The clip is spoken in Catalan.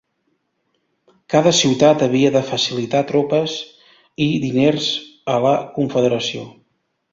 Cada ciutat havia de facilitar tropes i diners a la confederació.